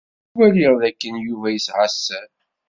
Ttwaliɣ d akken Yuba yesɛa sser.